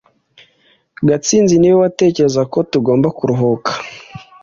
gatsinzi niwe watekerezaga ko tugomba kuruhuka